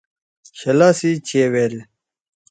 شلا سی چیویل۔